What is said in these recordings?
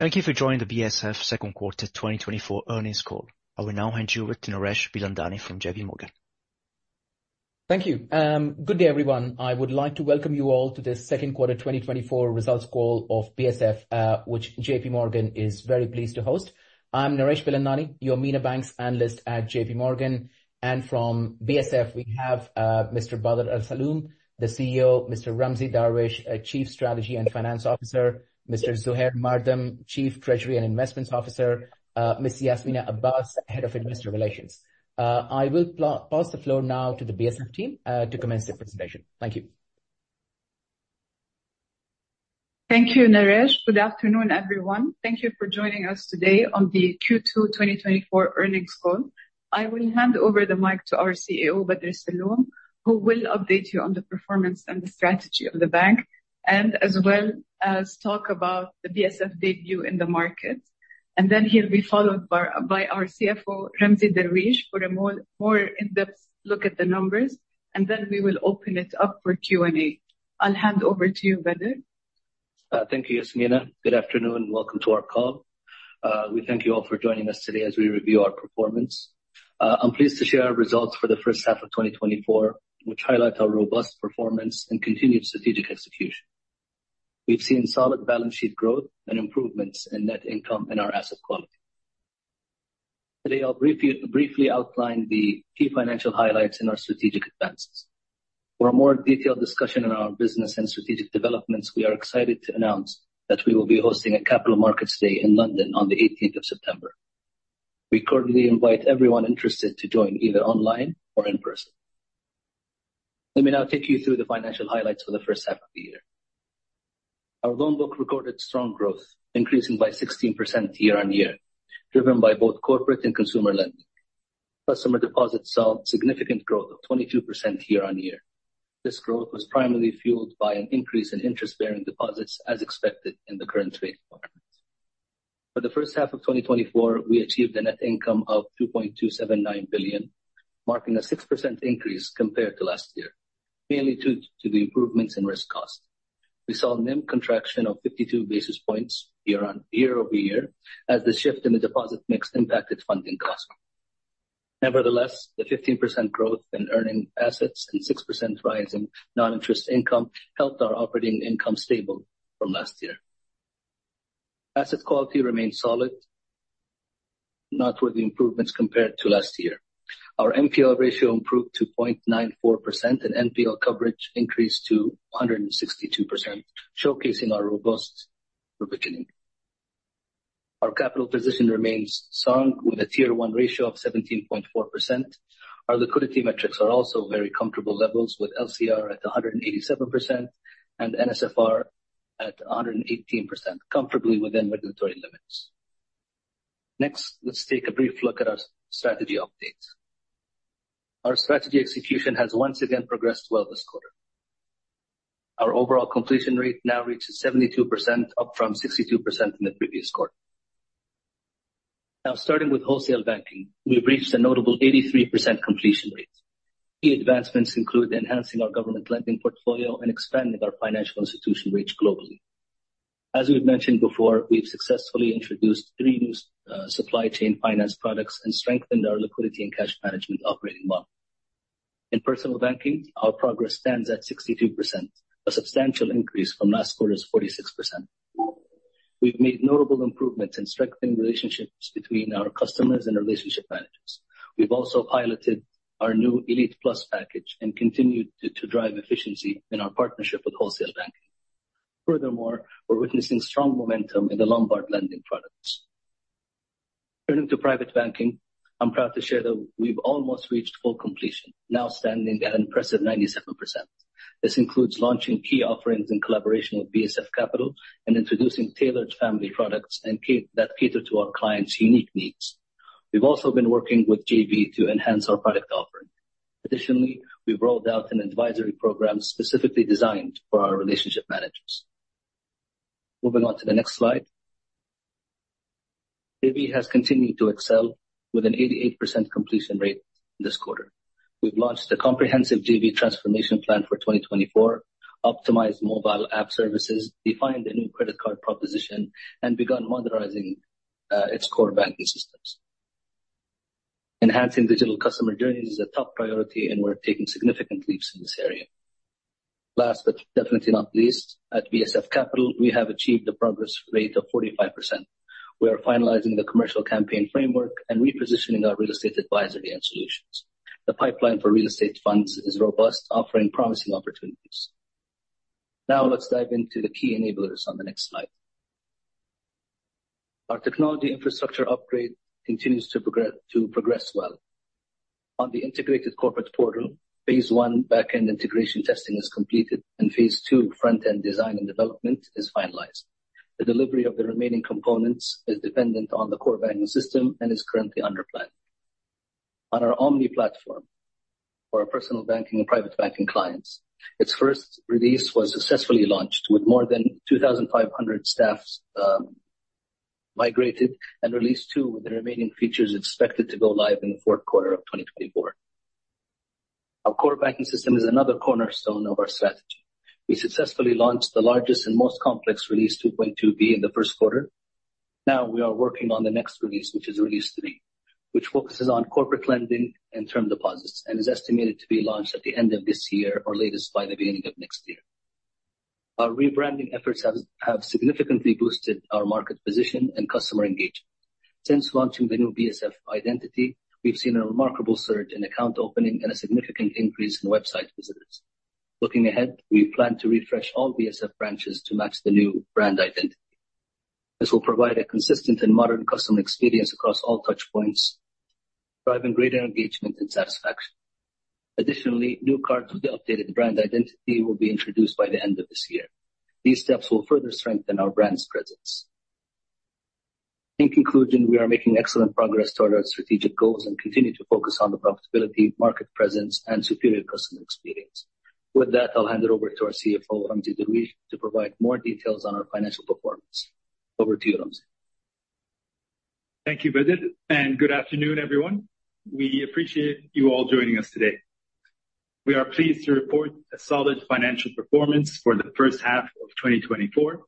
Thank you for joining the BSF second quarter 2024 earnings call. I will now hand you over to Naresh Bilani from JP Morgan. Thank you. Good day, everyone. I would like to welcome you all to this second quarter 2024 results call of BSF, which JP Morgan is very pleased to host. I'm Naresh Bilani, your MENA banks analyst at JP Morgan. From BSF, we have Mr. Bader Alsalloom, the CEO, Mr. Ramzy Darwish, Chief Strategy and Finance Officer, Mr. Zuhair Mardam, Chief Treasury and Investments Officer, Ms. Yasminah Abbas, Head of Investor Relations. I will pass the floor now to the BSF team to commence the presentation. Thank you. Thank you, Naresh. Good afternoon, everyone. Thank you for joining us today on the Q2 2024 earnings call. I will hand over the mic to our CEO, Bader Alsalloom, who will update you on the performance and the strategy of the bank, and as well as talk about the BSF debut in the market. Then he'll be followed by our CFO, Ramzy Darwish, for a more in-depth look at the numbers. Then we will open it up for Q&A. I'll hand over to you, Bader. Thank you, Yasmina. Good afternoon. Welcome to our call. We thank you all for joining us today as we review our performance. I'm pleased to share our results for the first half of 2024, which highlight our robust performance and continued strategic execution. We've seen solid balance sheet growth and improvements in net income and our asset quality. Today, I'll briefly outline the key financial highlights and our strategic advances. For a more detailed discussion on our business and strategic developments, we are excited to announce that we will be hosting a Capital Markets Day in London on the 18th of September. We cordially invite everyone interested to join either online or in person. Let me now take you through the financial highlights for the first half of the year. Our loan book recorded strong growth, increasing by 16% year-on-year, driven by both corporate and consumer lending. Customer deposits saw significant growth of 22% year-over-year. This growth was primarily fueled by an increase in interest-bearing deposits as expected in the current rate environment. For the first half of 2024, we achieved a net income of 2.279 billion, marking a 6% increase compared to last year, mainly due to the improvements in risk cost. We saw NIM contraction of 52 basis points year-over-year, as the shift in the deposit mix impacted funding cost. Nevertheless, the 15% growth in earning assets and 6% rise in non-interest income helped our operating income stable from last year. Asset quality remains solid, noteworthy improvements compared to last year. Our NPL ratio improved to 0.94%, and NPL coverage increased to 162%, showcasing our robust provisioning. Our capital position remains strong with a Tier 1 ratio of 17.4%. Our liquidity metrics are also very comfortable levels, with LCR at 187% and NSFR at 118%, comfortably within regulatory limits. Next, let's take a brief look at our strategy updates. Our strategy execution has once again progressed well this quarter. Our overall completion rate now reaches 72%, up from 62% in the previous quarter. Starting with wholesale banking, we've reached a notable 83% completion rate. Key advancements include enhancing our government lending portfolio and expanding our financial institution reach globally. As we've mentioned before, we've successfully introduced three new supply chain finance products and strengthened our liquidity and cash management operating model. In personal banking, our progress stands at 62%, a substantial increase from last quarter's 46%. We've made notable improvements in strengthening relationships between our customers and relationship managers. We've also piloted our new Elite Plus package and continued to drive efficiency in our partnership with wholesale banking. Furthermore, we're witnessing strong momentum in the Lombard lending products. Turning to private banking, I'm proud to share that we've almost reached full completion, now standing at an impressive 97%. This includes launching key offerings in collaboration with BSF Capital and introducing tailored family products that cater to our clients' unique needs. We've also been working with Jana to enhance our product offering. Additionally, we've rolled out an advisory program specifically designed for our relationship managers. Moving on to the next slide. Jana has continued to excel with an 88% completion rate this quarter. We've launched a comprehensive Jana transformation plan for 2024, optimized mobile app services, defined a new credit card proposition, and begun modernizing its core banking systems. Enhancing digital customer journeys is a top priority. We're taking significant leaps in this area. Last but definitely not least, at BSF Capital, we have achieved a progress rate of 45%. We are finalizing the commercial campaign framework and repositioning our real estate advisory and solutions. The pipeline for real estate funds is robust, offering promising opportunities. Let's dive into the key enablers on the next slide. Our technology infrastructure upgrade continues to progress well. On the integrated corporate portal, phase 1 backend integration testing is completed, and phase 2 front-end design and development is finalized. The delivery of the remaining components is dependent on the core banking system and is currently under plan. On our omni platform for our personal banking and private banking clients, its first release was successfully launched, with more than 2,500 staffs migrated. Release two with the remaining features expected to go live in the fourth quarter of 2024. Our core banking system is another cornerstone of our strategy. We successfully launched the largest and most complex release, 2.2B, in the first quarter. Now we are working on the next release, which is release three, which focuses on corporate lending and term deposits, and is estimated to be launched at the end of this year or latest by the beginning of next year. Our rebranding efforts have significantly boosted our market position and customer engagement. Since launching the new BSF identity, we've seen a remarkable surge in account opening and a significant increase in website visitors. Looking ahead, we plan to refresh all BSF branches to match the new brand identity. This will provide a consistent and modern customer experience across all touch points, driving greater engagement and satisfaction. Additionally, new cards with the updated brand identity will be introduced by the end of this year. These steps will further strengthen our brand's presence. In conclusion, we are making excellent progress toward our strategic goals and continue to focus on the profitability, market presence, and superior customer experience. With that, I'll hand it over to our CFO, Ramzy Darwish, to provide more details on our financial performance. Over to you, Ramzi. Thank you, Hazim, and good afternoon, everyone. We appreciate you all joining us today. We are pleased to report a solid financial performance for the first half of 2024,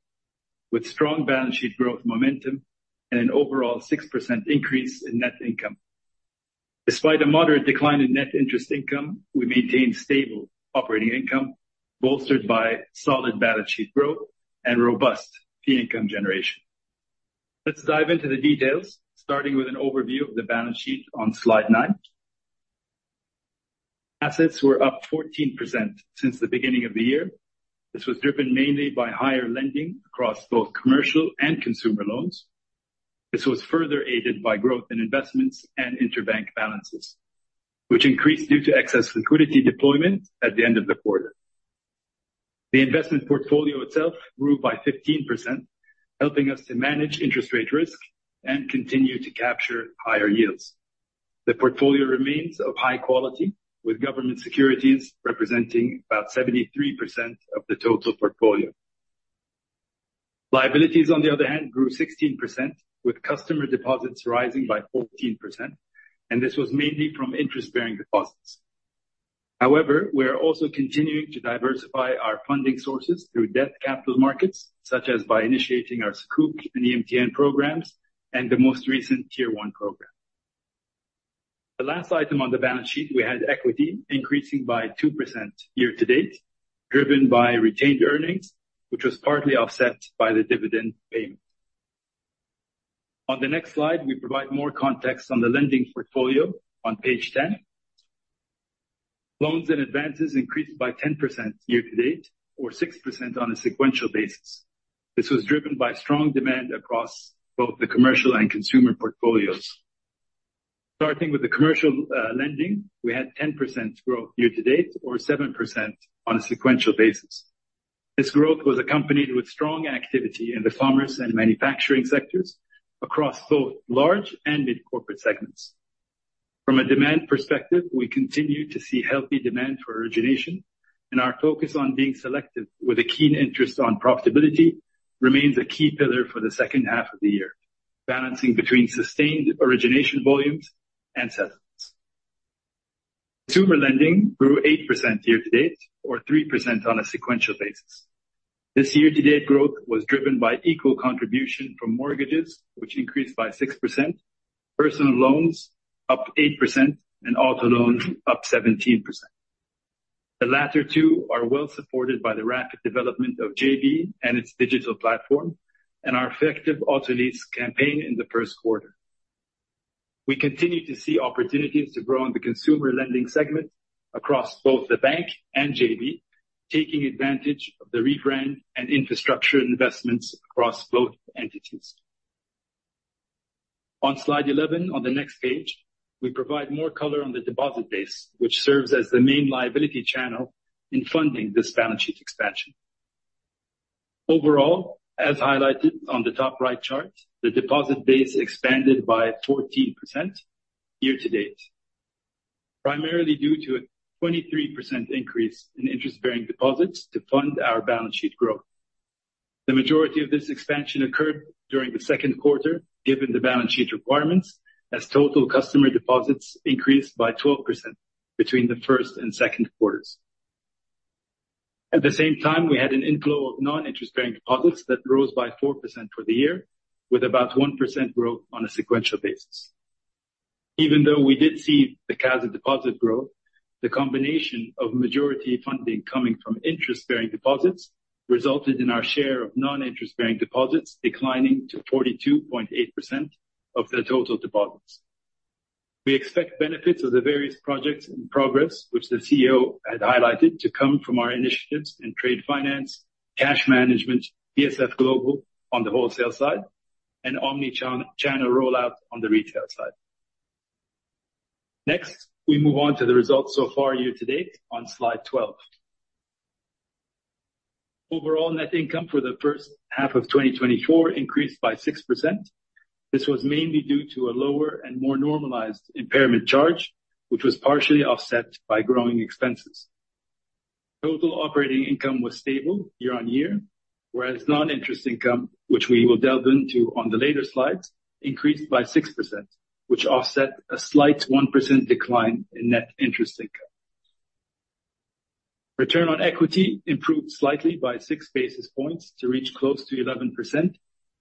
with strong balance sheet growth momentum and an overall 6% increase in net income. Despite a moderate decline in net interest income, we maintained stable operating income, bolstered by solid balance sheet growth and robust fee income generation. Let's dive into the details, starting with an overview of the balance sheet on slide nine. Assets were up 14% since the beginning of the year. This was driven mainly by higher lending across both commercial and consumer loans. This was further aided by growth in investments and interbank balances, which increased due to excess liquidity deployment at the end of the quarter. The investment portfolio itself grew by 15%, helping us to manage interest rate risk and continue to capture higher yields. The portfolio remains of high quality, with government securities representing about 73% of the total portfolio. Liabilities, on the other hand, grew 16%, with customer deposits rising by 14%, and this was mainly from interest-bearing deposits. We are also continuing to diversify our funding sources through debt capital markets, such as by initiating our Sukuk and EMTN programs, and the most recent Tier 1 program. The last item on the balance sheet, we had equity increasing by 2% year to date, driven by retained earnings, which was partly offset by the dividend payment. On the next slide, we provide more context on the lending portfolio on page 10. Loans and advances increased by 10% year to date or 6% on a sequential basis. This was driven by strong demand across both the commercial and consumer portfolios. Starting with the commercial lending, we had 10% growth year to date or 7% on a sequential basis. This growth was accompanied with strong activity in the farmers and manufacturing sectors across both large and mid-corporate segments. From a demand perspective, we continue to see healthy demand for origination, and our focus on being selective with a keen interest on profitability remains a key pillar for the second half of the year, balancing between sustained origination volumes and settlements. Consumer lending grew eight percent year to date or three percent on a sequential basis. This year-to-date growth was driven by equal contribution from mortgages, which increased by six percent, personal loans up eight percent, and auto loans up 17%. The latter two are well supported by the rapid development of JB and its digital platform and our effective auto lease campaign in the first quarter. We continue to see opportunities to grow in the consumer lending segment across both the bank and JB, taking advantage of the rebrand and infrastructure investments across both entities. On slide eleven, on the next page, we provide more color on the deposit base, which serves as the main liability channel in funding this balance sheet expansion. Overall, as highlighted on the top right chart, the deposit base expanded by 14% year to date, primarily due to a 23% increase in interest-bearing deposits to fund our balance sheet growth. The majority of this expansion occurred during the second quarter, given the balance sheet requirements, as total customer deposits increased by 12% between the first and second quarters. At the same time, we had an inflow of non-interest-bearing deposits that rose by four percent for the year, with about one percent growth on a sequential basis. Even though we did see the CASA deposit growth, the combination of majority funding coming from interest-bearing deposits resulted in our share of non-interest-bearing deposits declining to 42.8% of the total deposits. We expect benefits of the various projects in progress, which the CEO had highlighted to come from our initiatives in trade finance, cash management, BSF Global on the wholesale side, and omnichannel rollout on the retail side. Next, we move on to the results so far year to date on slide twelve. Overall net income for the first half of 2024 increased by six percent. This was mainly due to a lower and more normalized impairment charge, which was partially offset by growing expenses. Total operating income was stable year on year, whereas non-interest income, which we will delve into on the later slides, increased by six percent, which offset a slight one percent decline in net interest income. Return on equity improved slightly by six basis points to reach close to 11%,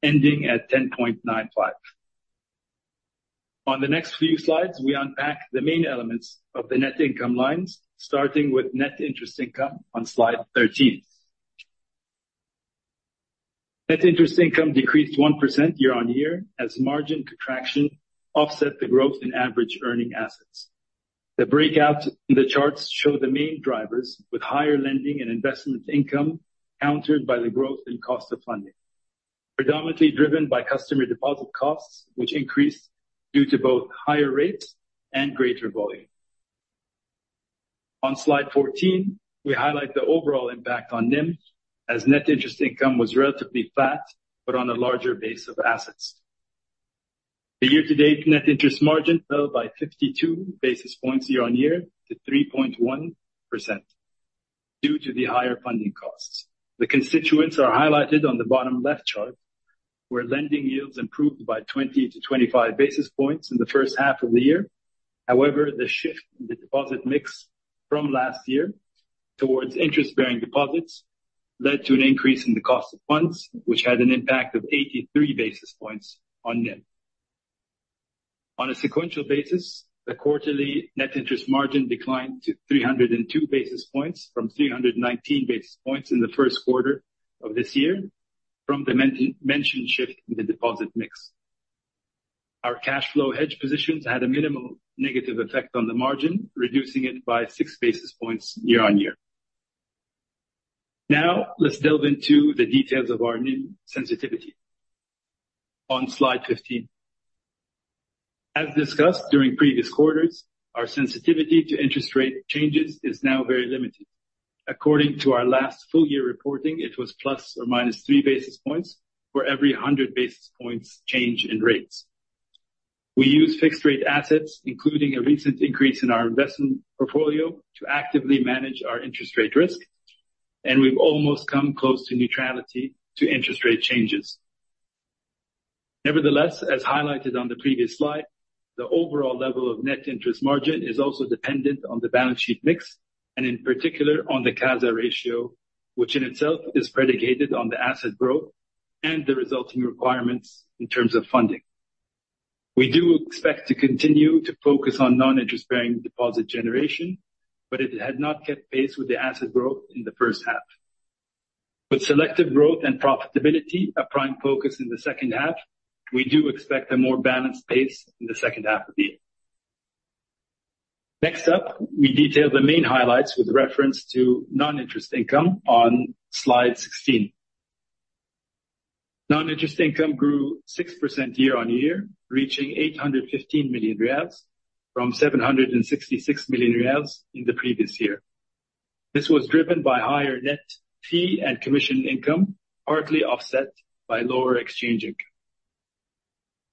ending at 10.95. On the next few slides, we unpack the main elements of the net income lines, starting with net interest income on slide thirteen. Net interest income decreased one percent year on year as margin contraction offset the growth in average earning assets. The breakouts in the charts show the main drivers, with higher lending and investment income countered by the growth in cost of funding, predominantly driven by customer deposit costs, which increased due to both higher rates and greater volume. On slide fourteen, we highlight the overall impact on NIM, as net interest income was relatively flat, but on a larger base of assets. The year-to-date net interest margin fell by 52 basis points year on year to 3.1% due to the higher funding costs. The constituents are highlighted on the bottom left chart, where lending yields improved by 20-25 basis points in the first half of the year. The shift in the deposit mix from last year towards interest-bearing deposits led to an increase in the cost of funds, which had an impact of 83 basis points on NIM. On a sequential basis, the quarterly net interest margin declined to 302 basis points from 319 basis points in the first quarter of this year from the mentioned shift in the deposit mix. Our cash flow hedge positions had a minimal negative effect on the margin, reducing it by six basis points year-on-year. Let's delve into the details of our NIM sensitivity on slide 15. As discussed during previous quarters, our sensitivity to interest rate changes is now very limited. According to our last full year reporting, it was ±3 basis points for every 100 basis points change in rates. We use fixed rate assets, including a recent increase in our investment portfolio, to actively manage our interest rate risk, and we've almost come close to neutrality to interest rate changes. As highlighted on the previous slide, the overall level of net interest margin is also dependent on the balance sheet mix, and in particular on the CASA ratio, which in itself is predicated on the asset growth and the resulting requirements in terms of funding. We do expect to continue to focus on non-interest-bearing deposit generation, but it had not kept pace with the asset growth in the first half. With selective growth and profitability a prime focus in the second half, we do expect a more balanced pace in the second half of the year. We detail the main highlights with reference to non-interest income on slide 16. Non-interest income grew 6% year-on-year, reaching 815 million riyals from 766 million riyals in the previous year. This was driven by higher net fee and commission income, partly offset by lower exchange income.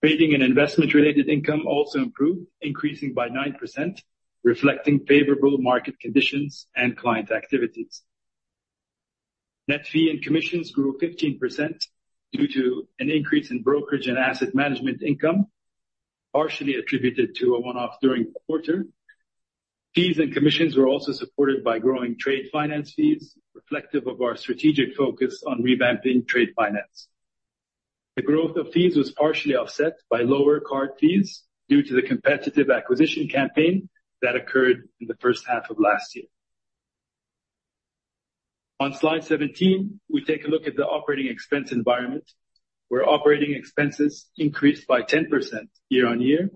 Trading and investment-related income also improved, increasing by 9%, reflecting favorable market conditions and client activities. Net fee and commissions grew 15% due to an increase in brokerage and asset management income, partially attributed to a one-off during the quarter. Fees and commissions were also supported by growing trade finance fees, reflective of our strategic focus on revamping trade finance. The growth of fees was partially offset by lower card fees due to the competitive acquisition campaign that occurred in the first half of last year. On slide 17, we take a look at the operating expense environment, where operating expenses increased by 10% year-on-year.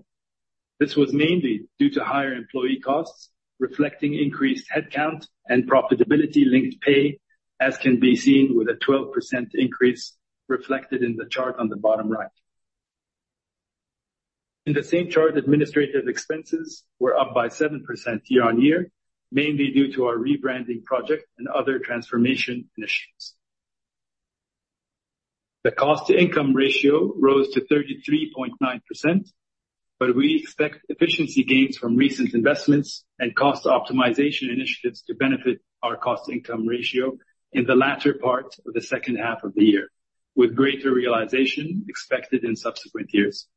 This was mainly due to higher employee costs, reflecting increased headcount and profitability-linked pay, as can be seen with a 12% increase reflected in the chart on the bottom right. In the same chart, administrative expenses were up by 7% year-on-year, mainly due to our rebranding project and other transformation initiatives. The cost-to-income ratio rose to 33.9%, but we expect efficiency gains from recent investments and cost optimization initiatives to benefit our cost-income ratio in the latter part of the second half of the year, with greater realization expected in subsequent years.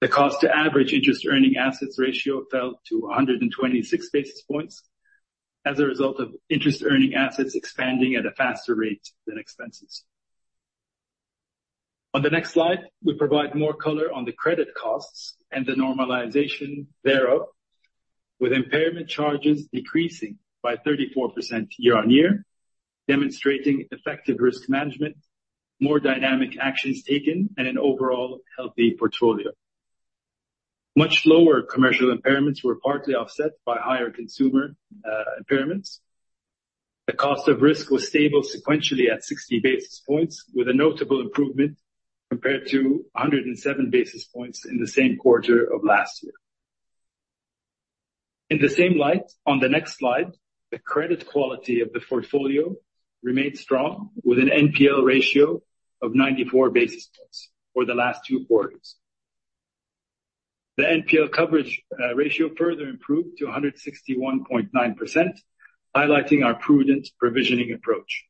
The cost to average interest earning assets ratio fell to 126 basis points as a result of interest earning assets expanding at a faster rate than expenses. On the next slide, we provide more color on the credit costs and the normalization thereof, with impairment charges decreasing by 34% year-on-year, demonstrating effective risk management, more dynamic actions taken, and an overall healthy portfolio. Much lower commercial impairments were partly offset by higher consumer impairments. The cost of risk was stable sequentially at 60 basis points, with a notable improvement compared to 107 basis points in the same quarter of last year. In the same light, on the next slide, the credit quality of the portfolio remained strong with an NPL ratio of 94 basis points for the last two quarters. The NPL coverage ratio further improved to 161.9%, highlighting our prudent provisioning approach.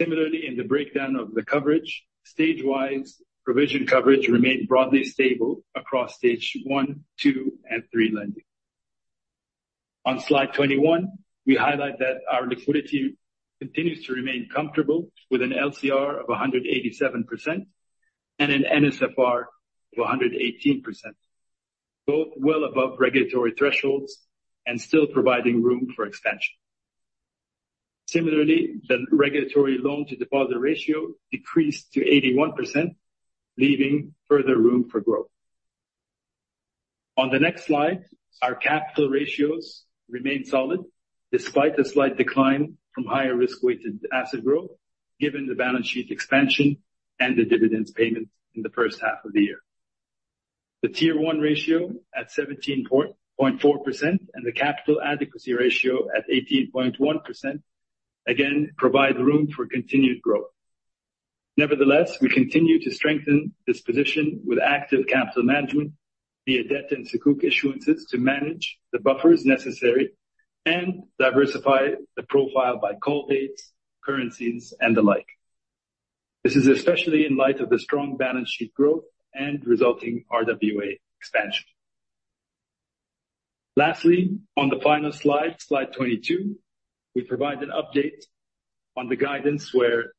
Similarly, in the breakdown of the coverage, stage-wise provision coverage remained broadly stable across stage 1, 2, and 3 lending. On slide 21, we highlight that our liquidity continues to remain comfortable with an LCR of 187% and an NSFR of 118%, both well above regulatory thresholds and still providing room for expansion. Similarly, the regulatory loan-to-deposit ratio decreased to 81%, leaving further room for growth. On the next slide, our capital ratios remain solid despite a slight decline from higher RWA growth given the balance sheet expansion and the dividends payment in the first half of the year. The Tier 1 ratio at 17.4% and the capital adequacy ratio at 18.1% again provide room for continued growth. Nevertheless, we continue to strengthen this position with active capital management via debt and Sukuk issuances to manage the buffers necessary and diversify the profile by call dates, currencies, and the like. This is especially in light of the strong balance sheet growth and resulting RWA expansion. Lastly, on the final slide 22, we provide an update on the guidance where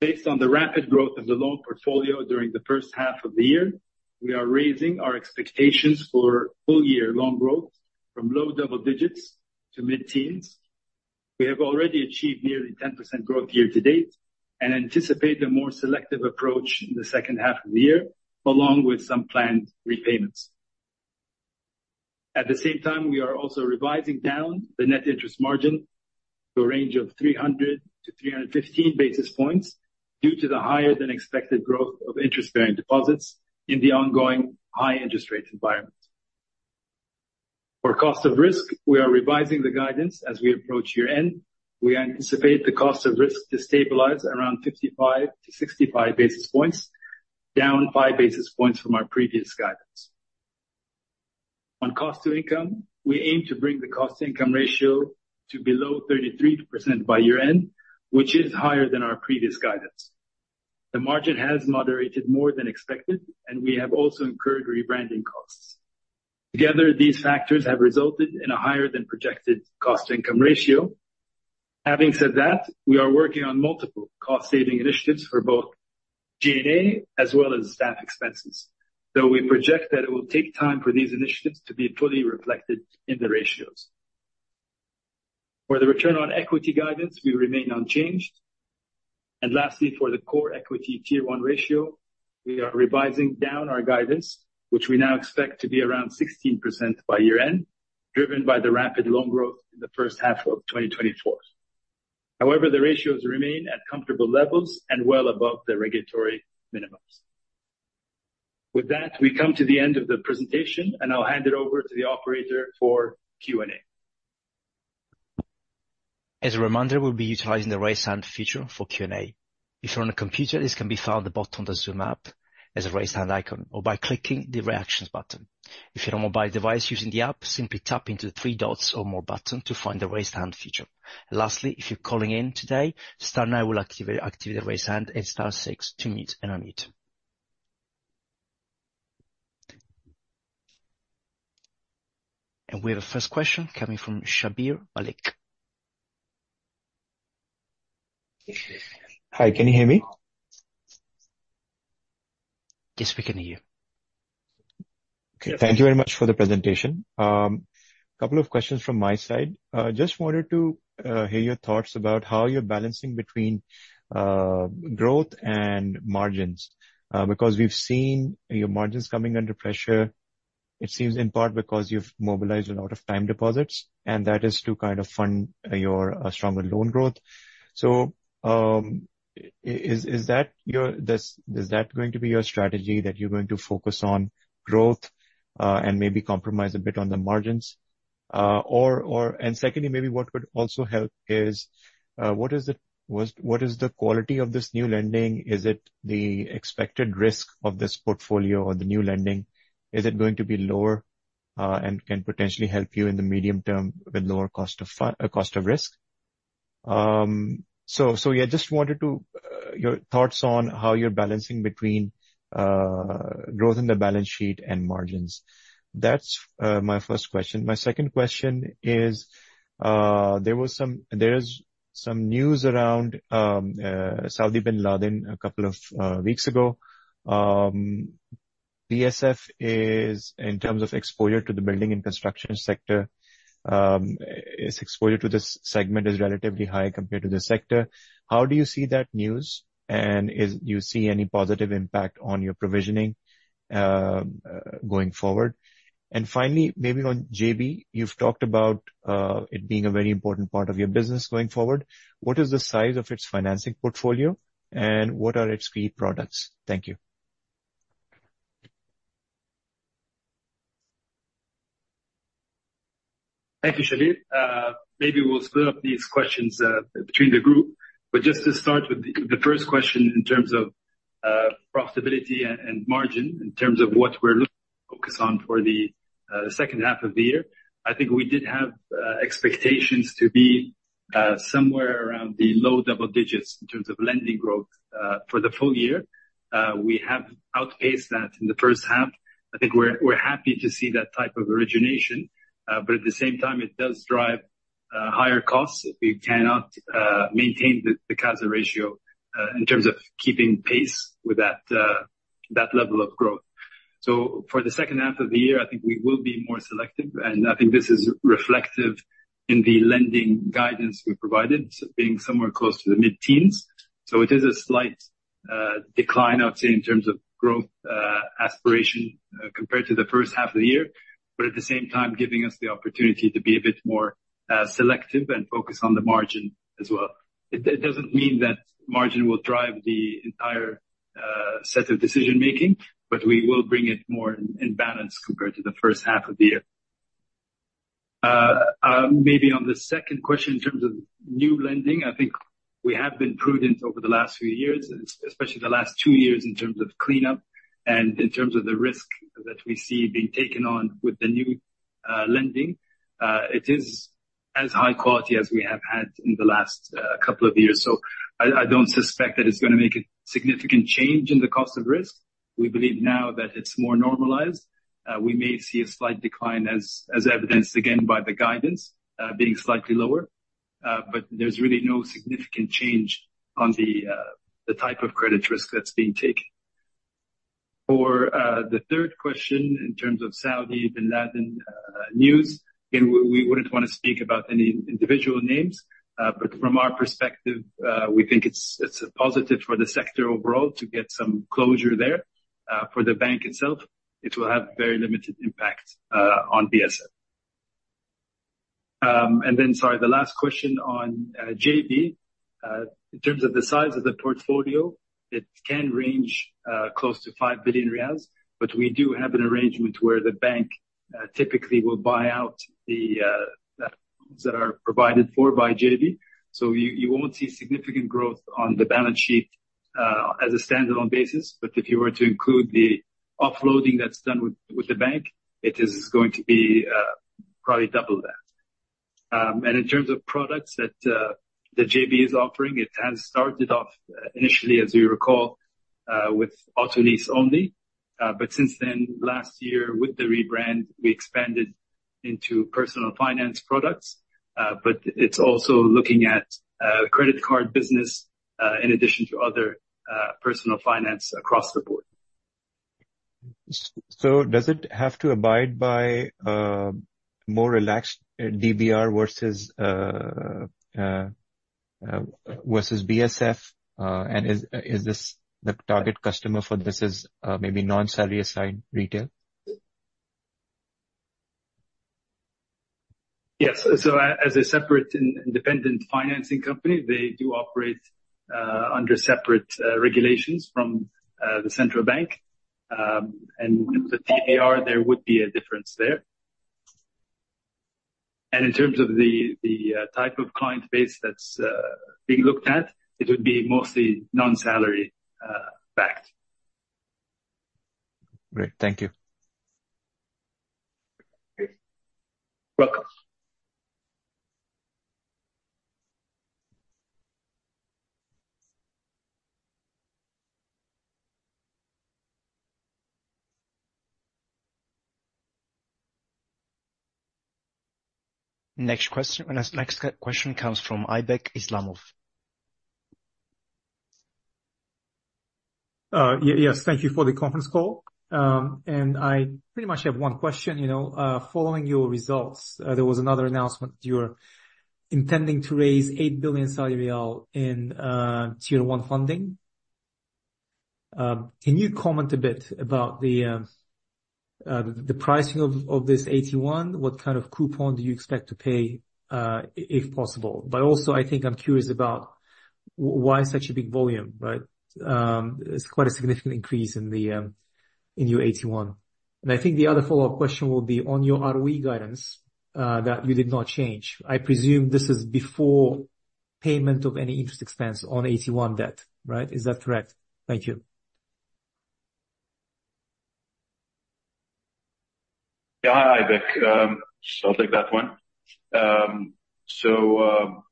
based on the rapid growth of the loan portfolio during the first half of the year, we are raising our expectations for full year loan growth from low double digits to mid-teens. We have already achieved nearly 10% growth year to date and anticipate a more selective approach in the second half of the year, along with some planned repayments. At the same time, we are also revising down the net interest margin to a range of 300 to 315 basis points due to the higher than expected growth of interest-bearing deposits in the ongoing high interest rate environment. For cost of risk, we are revising the guidance as we approach year end. We anticipate the cost of risk to stabilize around 55 to 65 basis points, down five basis points from our previous guidance. On cost to income, we aim to bring the cost to income ratio to below 33% by year end, which is higher than our previous guidance. The margin has moderated more than expected, and we have also incurred rebranding costs. Together, these factors have resulted in a higher than projected cost to income ratio. Having said that, we are working on multiple cost saving initiatives for both G&A as well as staff expenses. Though we project that it will take time for these initiatives to be fully reflected in the ratios. For the return on equity guidance, we remain unchanged. Lastly, for the core equity Tier 1 ratio, we are revising down our guidance, which we now expect to be around 16% by year end, driven by the rapid loan growth in the first half of 2024. However, the ratios remain at comfortable levels and well above the regulatory minimums. With that, we come to the end of the presentation, I'll hand it over to the operator for Q&A. As a reminder, we'll be utilizing the raise hand feature for Q&A. If you're on a computer, this can be found at the bottom of the Zoom app as a raise hand icon or by clicking the reactions button. If you're on a mobile device using the app, simply tap into the three dots or more button to find the raise hand feature. Lastly, if you're calling in today, star nine will activate the raise hand and star six to mute and unmute. We have the first question coming from Shabbir Malik. Hi, can you hear me? Yes, we can hear you. Thank you very much for the presentation. Couple of questions from my side. Just wanted to hear your thoughts about how you're balancing between growth and margins, because we've seen your margins coming under pressure. It seems in part because you've mobilized a lot of time deposits, and that is to fund your stronger loan growth. Is that going to be your strategy, that you're going to focus on growth, and maybe compromise a bit on the margins? Secondly, maybe what would also help is, what is the quality of this new lending? Is it the expected risk of this portfolio or the new lending? Is it going to be lower, and can potentially help you in the medium term with lower cost of risk? Yeah, just wanted your thoughts on how you're balancing between growth in the balance sheet and margins. That's my first question. My second question is, there is some news around Saudi Binladin Group a couple of weeks ago. BSF, in terms of exposure to the building and construction sector, its exposure to this segment is relatively high compared to the sector. How do you see that news? Do you see any positive impact on your provisioning going forward? Finally, maybe on JB, you've talked about it being a very important part of your business going forward. What is the size of its financing portfolio, and what are its key products? Thank you. Thank you, Shaleed. Maybe we'll split up these questions between the group. Just to start with the first question in terms of profitability and margin, in terms of what we're looking to focus on for the second half of the year, I think we did have expectations to be somewhere around the low double digits in terms of lending growth for the full year. We have outpaced that in the first half. I think we're happy to see that type of origination. At the same time, it does drive higher costs if you cannot maintain the CASA ratio in terms of keeping pace with that level of growth. For the second half of the year, I think we will be more selective, and I think this is reflective in the lending guidance we provided, being somewhere close to the mid-teens. It is a slight decline, I would say, in terms of growth aspiration compared to the first half of the year, but at the same time, giving us the opportunity to be a bit more selective and focused on the margin as well. It doesn't mean that margin will drive the entire set of decision-making, but we will bring it more in balance compared to the first half of the year. Maybe on the second question, in terms of new lending, I think we have been prudent over the last few years, especially the last two years, in terms of cleanup and in terms of the risk that we see being taken on with the new lending. It is as high quality as we have had in the last couple of years. I don't suspect that it's going to make a significant change in the cost of risk. We believe now that it's more normalized. We may see a slight decline as evidenced, again, by the guidance being slightly lower. There's really no significant change on the type of credit risk that's being taken. For the third question, in terms of Saudi Binladin news, again, we wouldn't want to speak about any individual names. From our perspective, we think it's a positive for the sector overall to get some closure there. For the bank itself, it will have very limited impact on BSF. Then, sorry, the last question on JB. In terms of the size of the portfolio, it can range close to 5 billion riyals, but we do have an arrangement where the bank typically will buy out the loans that are provided for by JB. You won't see significant growth on the balance sheet as a standalone basis, but if you were to include the offloading that's done with the bank, it is going to be probably double that. In terms of products that JB is offering, it has started off initially, as you recall, with auto lease only. Since then, last year with the rebrand, we expanded into personal finance products. It's also looking at credit card business in addition to other personal finance across the board. Does it have to abide by a more relaxed DBR versus BSF? Is the target customer for this is maybe non-salary assigned retail? Yes. As a separate independent financing company, they do operate under separate regulations from the central bank. With the DBR, there would be a difference there. In terms of the type of client base that's being looked at, it would be mostly non-salary backed. Great. Thank you. You're welcome. Next question comes from Aybek Islamov. Yes, thank you for the conference call. I pretty much have one question. Following your results, there was another announcement that you were intending to raise 8 billion Saudi riyal in Tier 1 funding. Can you comment a bit about the pricing of this AT1? What kind of coupon do you expect to pay, if possible? Also, I think I'm curious about why such a big volume. It's quite a significant increase in your AT1. I think the other follow-up question will be on your ROE guidance that you did not change. I presume this is before payment of any interest expense on AT1 debt, right? Is that correct? Thank you. Yeah, hi, Aibek. I'll take that one.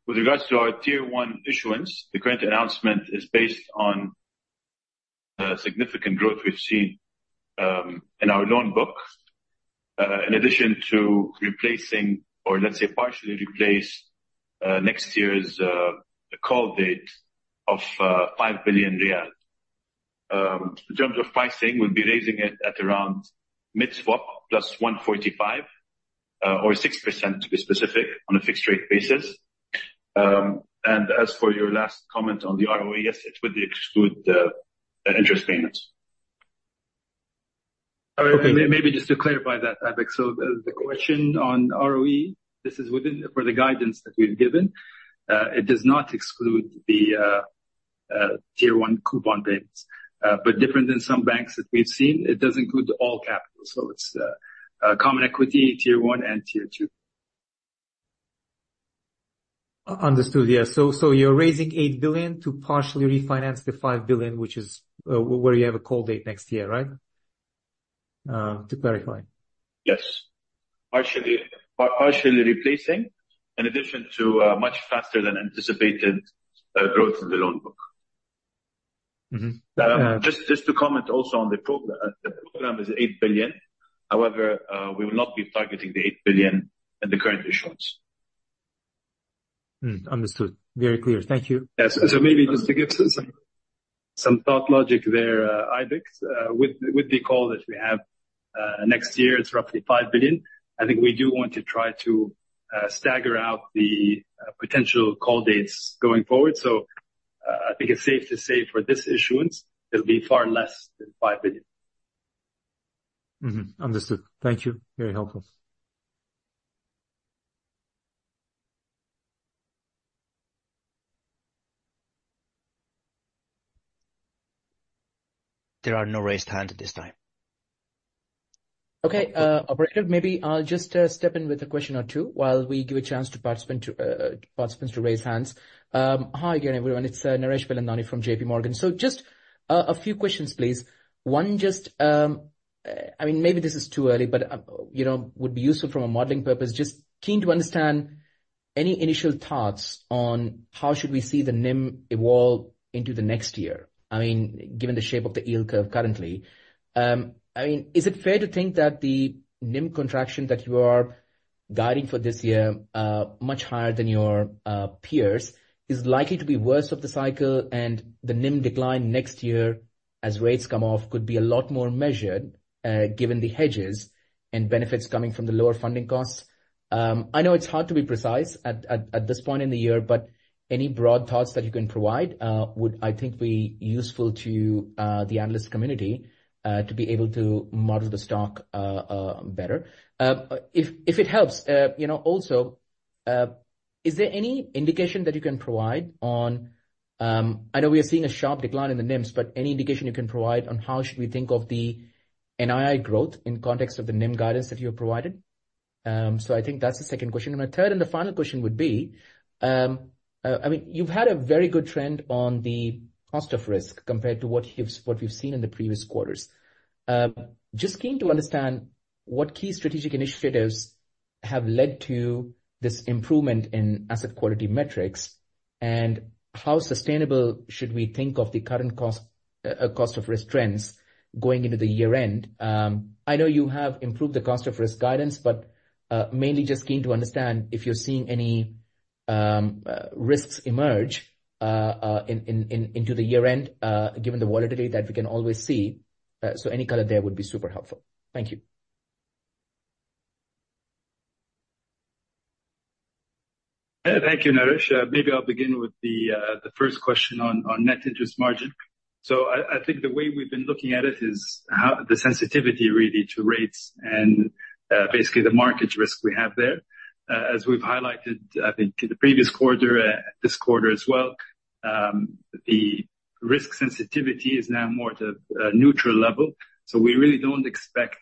With regards to our Tier 1 issuance, the current announcement is based on the significant growth we've seen in our loan book, in addition to replacing or let's say partially replace next year's call date of 5 billion riyal. In terms of pricing, we'll be raising it at around mid swap plus 145 or 6% to be specific on a fixed rate basis. As for your last comment on the ROE, yes, it would exclude the interest payments. Okay. Maybe just to clarify that, Aibek. The question on ROE, this is within for the guidance that we've given. It does not exclude the Tier 1 coupon payments. Different than some banks that we've seen, it does include all capital. It's common equity, Tier 1 and Tier 2. Understood. You're raising 8 billion SAR to partially refinance the 5 billion SAR, where you have a call date next year, right? To clarify. Yes. Partially replacing, in addition to much faster than anticipated growth in the loan book. Just to comment also on the program. The program is $8 billion. However, we will not be targeting the $8 billion in the current issuance. Understood. Very clear. Thank you. Yes. Maybe just to give some thought logic there, Aibek, with the call that we have next year, it's roughly $5 billion. I think we do want to try to stagger out the potential call dates going forward. I think it's safe to say for this issuance, it'll be far less than $5 billion. Understood. Thank you. Very helpful. There are no raised hands at this time. Okay, operator, maybe I'll just step in with a question or two while we give a chance to participants to raise hands. Hi again, everyone. It's Naresh Pilanoni from JP Morgan. Just a few questions, please. One, maybe this is too early, but would be useful from a modeling purpose, just keen to understand any initial thoughts on how should we see the NIM evolve into the next year, given the shape of the yield curve currently. Is it fair to think that the NIM contraction that you are guiding for this year, much higher than your peers, is likely to be worse of the cycle, and the NIM decline next year as rates come off could be a lot more measured, given the hedges and benefits coming from the lower funding costs? I know it's hard to be precise at this point in the year, but any broad thoughts that you can provide would, I think, be useful to the analyst community to be able to model the stock better. If it helps, also, is there any indication that you can provide on, I know we are seeing a sharp decline in the NIMs, but any indication you can provide on how should we think of the NII growth in context of the NIM guidance that you have provided? I think that's the second question. The third and the final question would be, you've had a very good trend on the cost of risk compared to what we've seen in the previous quarters. Just keen to understand what key strategic initiatives have led to this improvement in asset quality metrics, and how sustainable should we think of the current cost of risk trends going into the year-end? I know you have improved the cost of risk guidance, but mainly just keen to understand if you're seeing any risks emerge into the year-end, given the volatility that we can always see. Any color there would be super helpful. Thank you. Thank you, Naresh. Maybe I'll begin with the first question on net interest margin. I think the way we've been looking at it is the sensitivity really to rates and basically the market risk we have there. As we've highlighted, I think, the previous quarter, this quarter as well, the risk sensitivity is now more at a neutral level. We really don't expect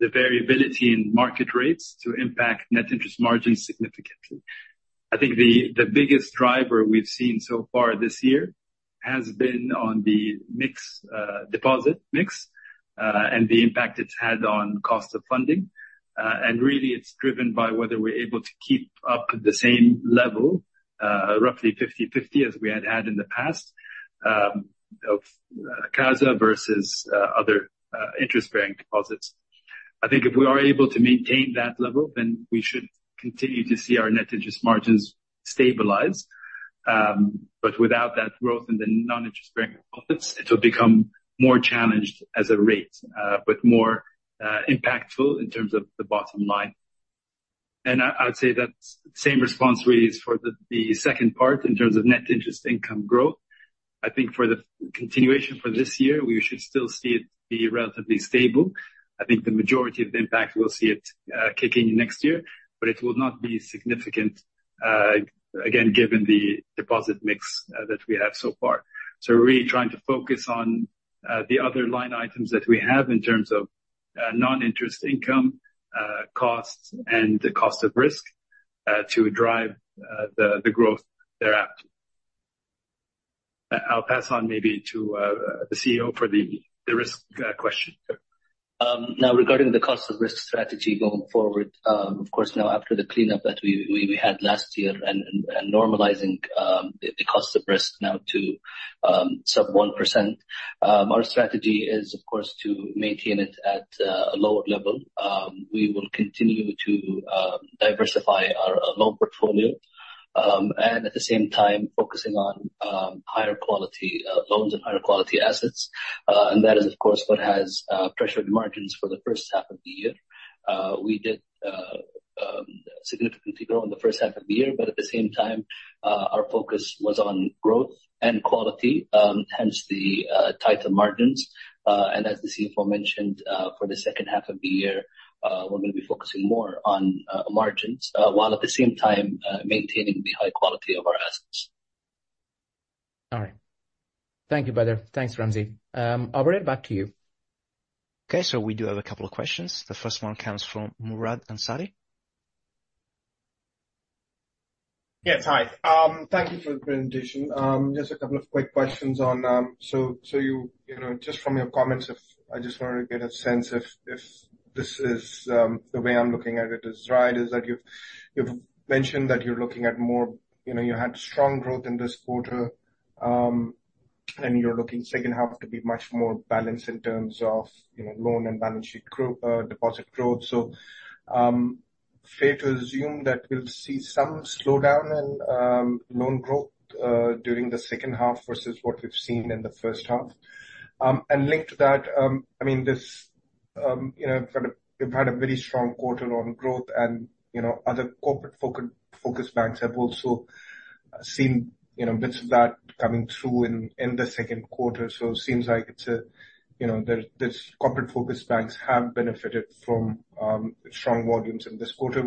the variability in market rates to impact net interest margins significantly. I think the biggest driver we've seen so far this year has been on the deposit mix, and the impact it's had on cost of funding. Really it's driven by whether we're able to keep up the same level, roughly 50/50 as we had had in the past, of CASA versus other interest bearing deposits. I think if we are able to maintain that level, we should continue to see our net interest margins stabilize. Without that growth in the non-interest bearing deposits, it will become more challenged as a rate, but more impactful in terms of the bottom line. I would say that same response really is for the second part in terms of net interest income growth. I think for the continuation for this year, we should still see it be relatively stable. I think the majority of the impact will see it kicking in next year, it will not be significant, again, given the deposit mix that we have so far. We're really trying to focus on the other line items that we have in terms of non-interest income, costs, and the cost of risk, to drive the growth thereafter. I'll pass on maybe to the CEO for the risk question. Regarding the cost of risk strategy going forward, of course, now after the cleanup that we had last year and normalizing the cost of risk now to sub 1%. Our strategy is, of course, to maintain it at a lower level. We will continue to diversify our loan portfolio, at the same time focusing on higher quality loans and higher quality assets. That is, of course, what has pressured margins for the first half of the year. We did significantly grow in the first half of the year, at the same time, our focus was on growth and quality, hence the tighter margins. As the CFO mentioned, for the second half of the year, we're going to be focusing more on margins, while at the same time maintaining the high quality of our assets. All right. Thank you, Bader. Thanks, Ramzi. Albert, back to you. Okay. We do have a couple of questions. The first one comes from Murad Ansari. Yes, hi. Thank you for the presentation. Just a couple of quick questions on. Just from your comments, I just wanted to get a sense if the way I'm looking at it is right, is that you've mentioned that you had strong growth in this quarter. You're looking second half to be much more balanced in terms of loan and balance sheet deposit growth. Fair to assume that we'll see some slowdown in loan growth during the second half versus what we've seen in the first half? Linked to that, you've had a very strong quarter on growth and other corporate focused banks have also seen bits of that coming through in the second quarter. Seems like these corporate focused banks have benefited from strong volumes in this quarter.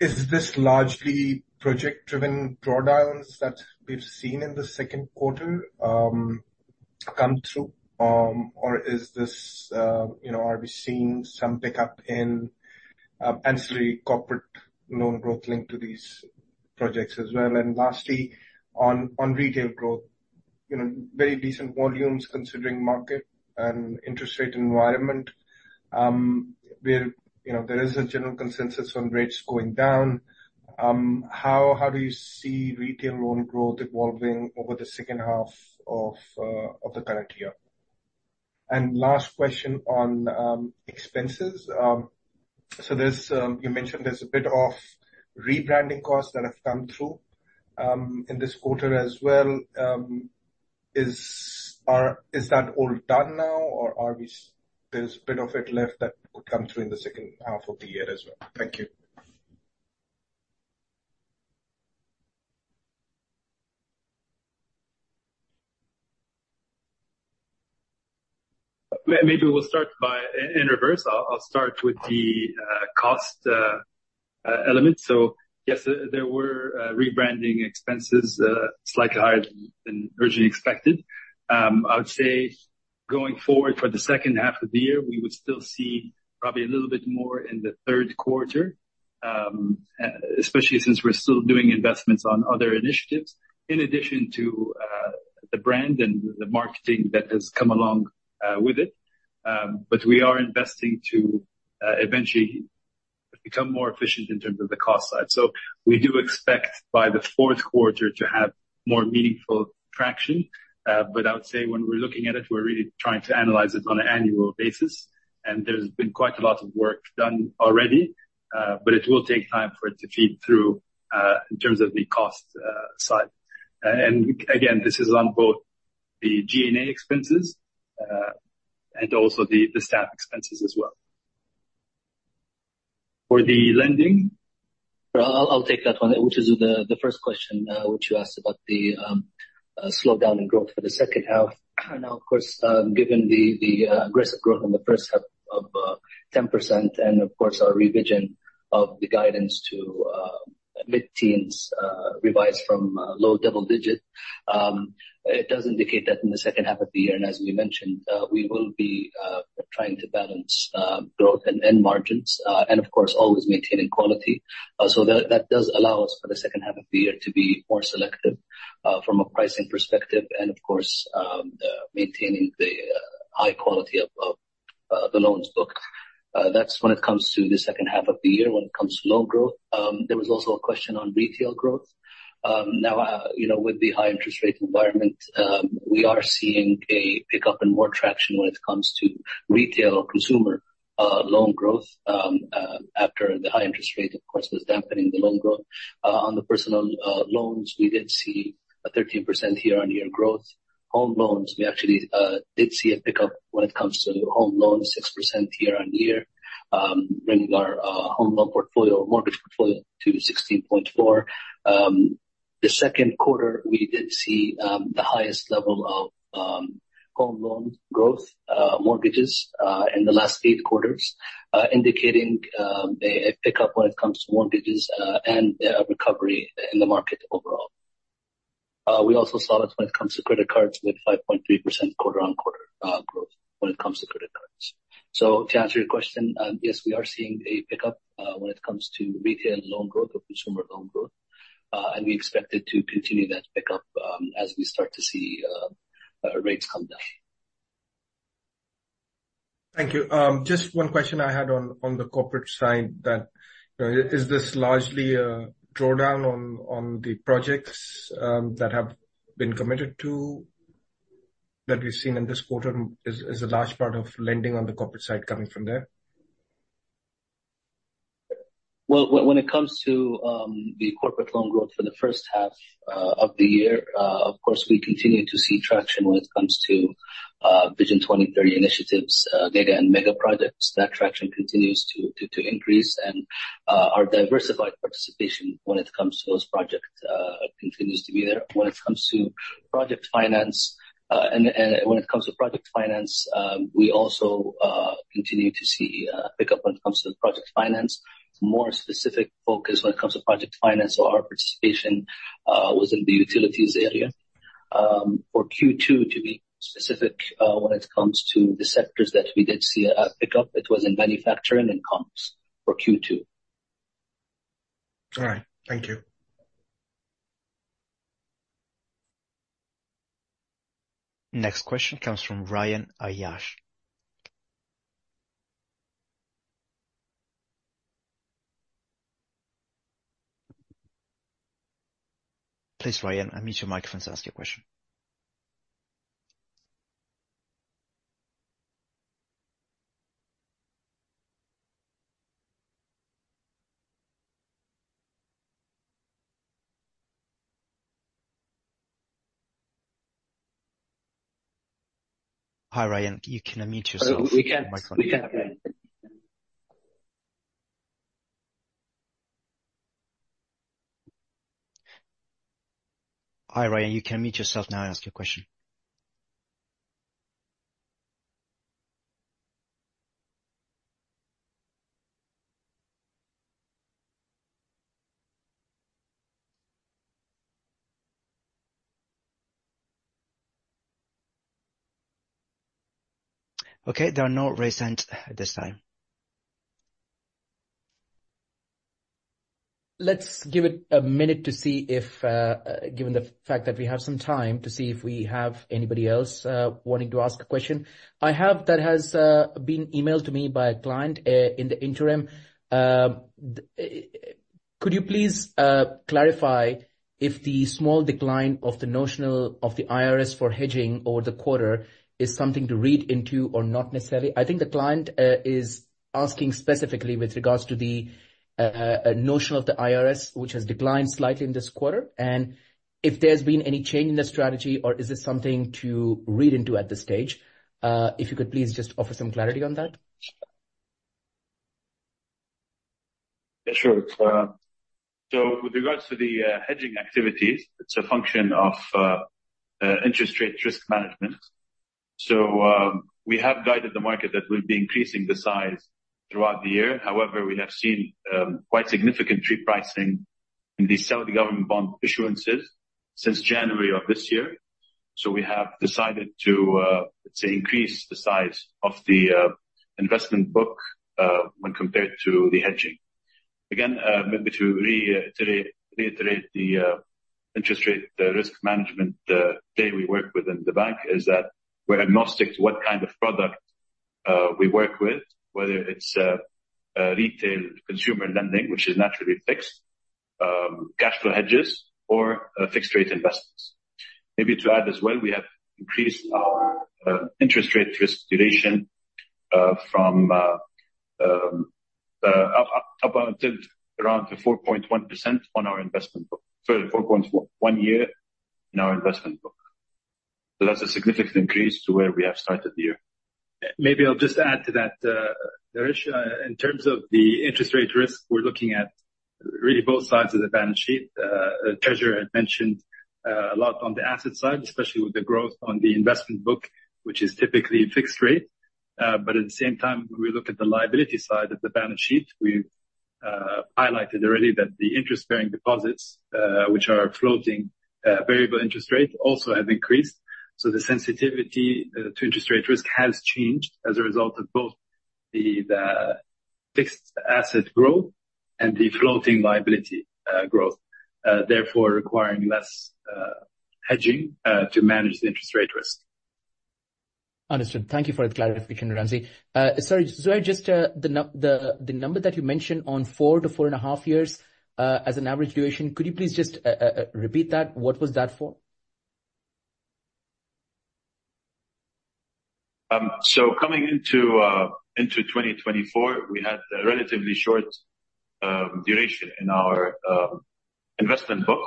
Is this largely project driven drawdowns that we've seen in the second quarter come through? Are we seeing some pickup in ancillary corporate loan growth linked to these projects as well? Lastly, on retail growth, very decent volumes considering market and interest rate environment, where there is a general consensus on rates going down. How do you see retail loan growth evolving over the second half of the current year? Last question on expenses. You mentioned there's a bit of rebranding costs that have come through in this quarter as well. Is that all done now or there's a bit of it left that could come through in the second half of the year as well? Thank you. Maybe we'll start in reverse. I'll start with the cost element. Yes, there were rebranding expenses, slightly higher than originally expected. Going forward for the second half of the year, we would still see probably a little bit more in the third quarter, especially since we're still doing investments on other initiatives in addition to the brand and the marketing that has come along with it. We are investing to eventually become more efficient in terms of the cost side. We do expect by the fourth quarter to have more meaningful traction. When we're looking at it, we're really trying to analyze it on an annual basis, and there's been quite a lot of work done already. It will take time for it to feed through, in terms of the cost side. Again, this is on both the G&A expenses, and also the staff expenses as well. For the lending? I'll take that one, which is the first question, which you asked about the slowdown in growth for the second half. Of course, given the aggressive growth in the first half of 10% and of course our revision of the guidance to mid-teens revised from low double digit, it does indicate that in the second half of the year, and as we mentioned, we will be trying to balance growth and margins, and of course, always maintaining quality. That does allow us for the second half of the year to be more selective, from a pricing perspective and of course, maintaining the high quality of the loans book. That's when it comes to the second half of the year, when it comes to loan growth. There was also a question on retail growth. With the high interest rate environment, we are seeing a pickup and more traction when it comes to retail or consumer loan growth, after the high interest rate, of course, was dampening the loan growth. On the personal loans, we did see a 13% year-on-year growth. Home loans, we actually did see a pickup when it comes to home loans, 6% year-on-year, bringing our home loan portfolio or mortgage portfolio to 16.4. The second quarter, we did see the highest level of home loans growth, mortgages, in the last eight quarters, indicating a pickup when it comes to mortgages, and a recovery in the market overall. We also saw it when it comes to credit cards with 5.3% quarter-on-quarter growth when it comes to credit cards. To answer your question, yes, we are seeing a pickup when it comes to retail loan growth or consumer loan growth. We expect it to continue that pickup, as we start to see rates come down. Thank you. Just one question I had on the corporate side, is this largely a drawdown on the projects that have been committed to, that we've seen in this quarter? Is a large part of lending on the corporate side coming from there? When it comes to the corporate loan growth for the first half of the year, of course, we continue to see traction when it comes to Vision 2030 initiatives, mega and mega projects. That traction continues to increase and our diversified participation when it comes to those projects, continues to be there. When it comes to project finance, we also continue to see a pickup when it comes to project finance. It's more specific focus when it comes to project finance, so our participation was in the utilities area. For Q2 to be specific, when it comes to the sectors that we did see a pickup, it was in manufacturing and comms for Q2. All right. Thank you. Next question comes from Ryan Ayyash. Please, Ryan, unmute your microphone to ask your question. Hi, Ryan, you can unmute yourself. We can't. Hi, Ryan, you can unmute yourself now and ask your question. Okay, there are no raised hands at this time. Let's give it a minute, given the fact that we have some time, to see if we have anybody else wanting to ask a question. I have, that has been emailed to me by a client in the interim. Could you please clarify if the small decline of the notional of the IRS for hedging over the quarter is something to read into or not necessarily? I think the client is asking specifically with regards to the notional of the IRS, which has declined slightly in this quarter, and if there's been any change in the strategy, or is this something to read into at this stage? If you could please just offer some clarity on that. Yeah, sure. With regards to the hedging activities, it's a function of interest rate risk management. We have guided the market that we'll be increasing the size throughout the year. However, we have seen quite significant repricing in the Saudi government bond issuances since January of this year. We have decided to, let's say, increase the size of the investment book, when compared to the hedging. Again, maybe to reiterate the interest rate risk management that we work with in the bank is that we're agnostic to what kind of product we work with, whether it's retail consumer lending, which is naturally fixed, cash flow hedges or fixed rate investments. Maybe to add as well, we have increased our interest rate risk duration up until around the 4.1 year on our investment book. That's a significant increase to where we have started the year. Maybe I'll just add to that, Naresh. In terms of the interest rate risk, we're looking at really both sides of the balance sheet. Treasury had mentioned a lot on the asset side, especially with the growth on the investment book, which is typically fixed rate. At the same time, when we look at the liability side of the balance sheet, we've highlighted already that the interest-bearing deposits, which are floating variable interest rate, also have increased. The sensitivity to interest rate risk has changed as a result of both the fixed asset growth and the floating liability growth, therefore requiring less hedging to manage the interest rate risk. Understood. Thank you for that clarification, Ramzy. Sorry, Zoya, just the number that you mentioned on four to four and a half years, as an average duration, could you please just repeat that? What was that for? Coming into 2024, we had a relatively short duration in our investment book.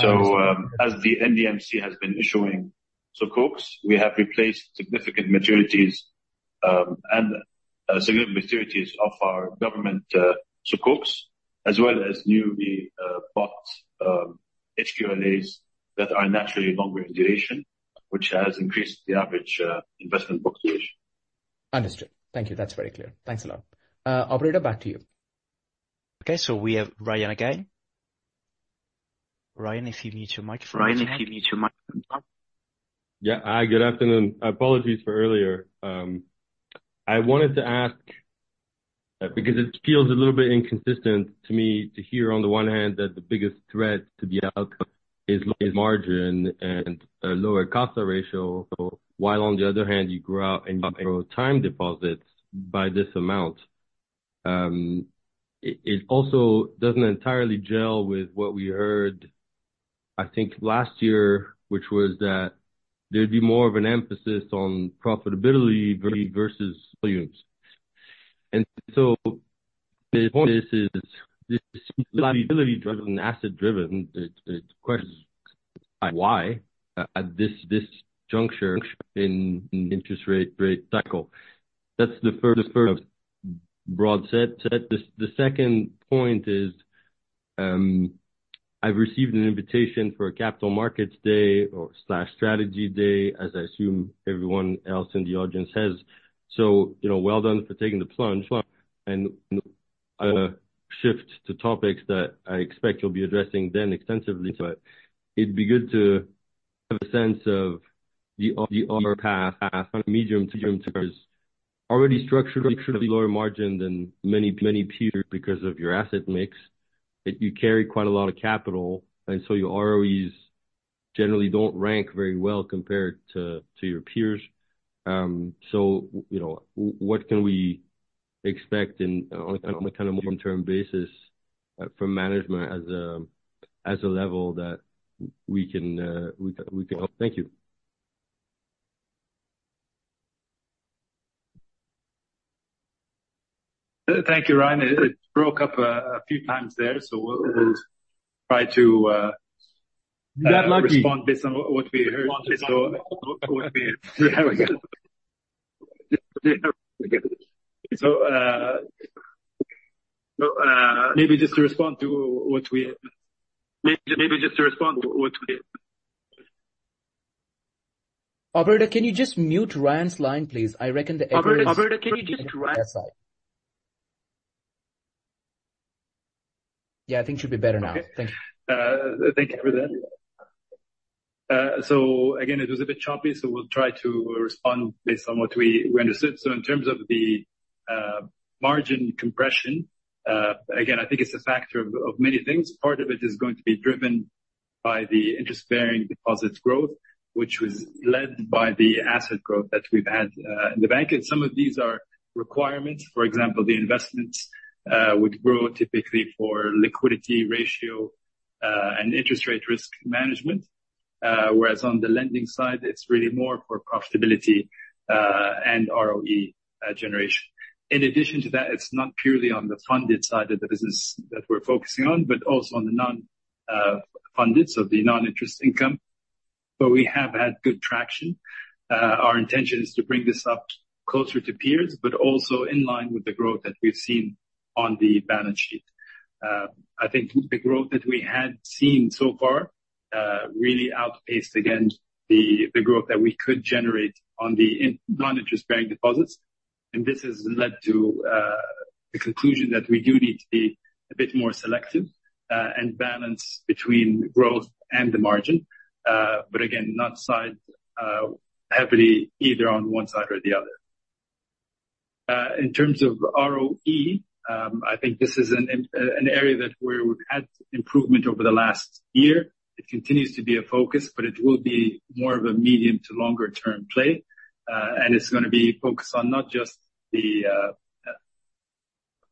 As the NDMC has been issuing Sukuks, we have replaced significant maturities of our government Sukuks, as well as newly bought HQLAs that are naturally longer in duration, which has increased the average investment book duration. Understood. Thank you. That's very clear. Thanks a lot. Operator, back to you. Okay, we have Ryan again. Ryan, if you mute your microphone. Ryan, if you mute your microphone. Yeah. Hi, good afternoon. Apologies for earlier. I wanted to ask, because it feels a little bit inconsistent to me to hear on the one hand that the biggest threat to the outcome is low margin and a lower cost to ratio, while on the other hand you grew time deposits by this amount. It also doesn't entirely gel with what we heard, I think, last year, which was that there'd be more of an emphasis on profitability versus volumes. This is liability driven, asset driven. The question is why at this juncture in interest rate cycle? That's the first broad set. The second point is, I've received an invitation for a capital markets day or slash strategy day, as I assume everyone else in the audience has. Well done for taking the plunge and shift to topics that I expect you'll be addressing then extensively, but it'd be good to have a sense of the path medium term. Already structured lower margin than many peer because of your asset mix. You carry quite a lot of capital, your ROEs generally don't rank very well compared to your peers. What can we expect on a more long-term basis from management as a level that we can look? Thank you. Thank you, Ryan. It broke up a few times there, so we'll try. That might be Respond based on what we heard. There we go. Maybe just to respond to what we Operator, can you just mute Ryan's line, please? I reckon the echo. Operator, can you mute Ryan's line? Yeah, I think it should be better now. Thank you. Thank you for that. Again, it was a bit choppy, we'll try to respond based on what we understood. In terms of the margin compression, again, I think it's a factor of many things. Part of it is going to be driven by the interest-bearing deposits growth, which was led by the asset growth that we've had in the bank. Some of these are requirements. For example, the investments would grow typically for liquidity ratio, and interest rate risk management. Whereas on the lending side, it's really more for profitability, and ROE generation. In addition to that, it's not purely on the funded side of the business that we're focusing on, but also on the non-funded, the non-interest income. We have had good traction. Our intention is to bring this up closer to peers, also in line with the growth that we've seen on the balance sheet. I think the growth that we had seen so far, really outpaced, again, the growth that we could generate on the non-interest-bearing deposits. This has led to the conclusion that we do need to be a bit more selective, and balance between growth and the margin. Again, not side heavily either on one side or the other. In terms of ROE, I think this is an area that we've had improvement over the last year. It continues to be a focus, but it will be more of a medium to longer term play. It's going to be focused on not just the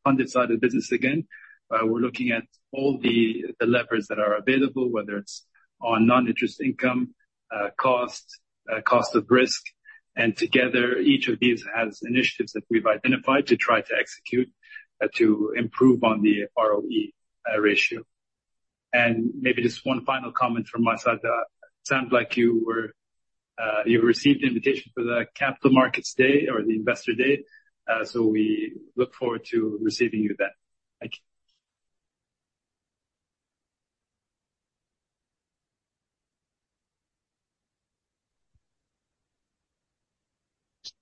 funded side of the business again, we're looking at all the levers that are available, whether it's on non-interest income, cost of risk, and together, each of these has initiatives that we've identified to try to execute to improve on the ROE ratio. Maybe just one final comment from my side. It sounds like you've received the invitation for the capital markets day or the investor date, we look forward to receiving you then. Thank you.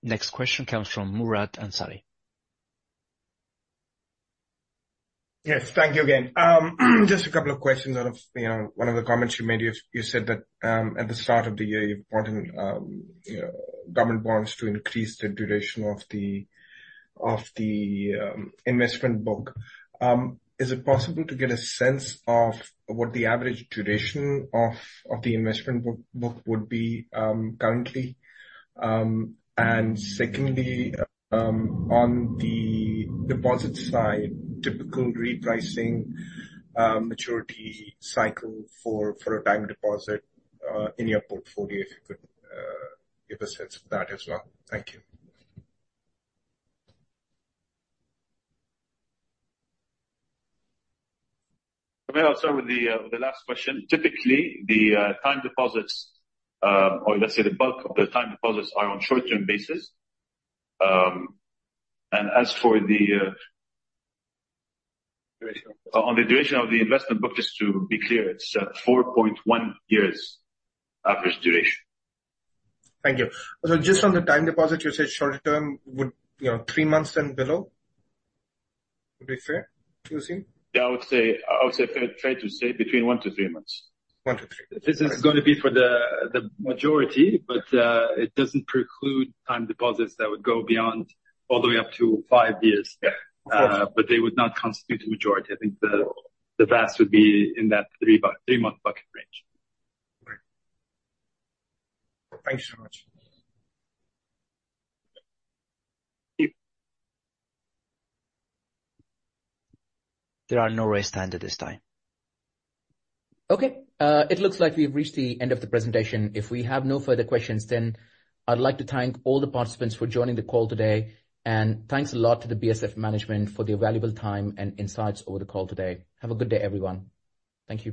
Next question comes from Murad Ansari. Yes. Thank you again. Just a couple of questions out of one of the comments you made. You said that, at the start of the year, you've boughten government bonds to increase the duration of the investment book. Is it possible to get a sense of what the average duration of the investment book would be currently? Secondly, on the deposit side, typical repricing maturity cycle for a time deposit in your portfolio, if you could give a sense of that as well. Thank you. I'll start with the last question. Typically, the time deposits, or let's say the bulk of the time deposits are on short-term basis. Duration on the duration of the investment book, just to be clear, it's 4.1 years average duration. Thank you. Just on the time deposit, you said short term, would three months and below be fair to assume? Yeah, I would say fair to say between one to three months. One to three. This is gonna be for the majority, but it doesn't preclude time deposits that would go beyond all the way up to five years. Yeah. They would not constitute a majority. I think the vast would be in that three-month bucket range. All right. Thanks so much. There are no raised hands at this time. Okay. It looks like we've reached the end of the presentation. If we have no further questions, then I'd like to thank all the participants for joining the call today, and thanks a lot to the BSF management for their valuable time and insights over the call today. Have a good day, everyone. Thank you.